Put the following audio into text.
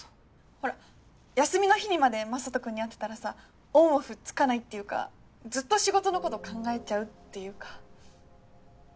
ほら休みの日にまで雅人君に会ってたらさオンオフつかないっていうかずっと仕事のこと考えちゃうっていうか。